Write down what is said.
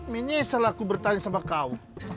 minyai salah aku bertanya sama kau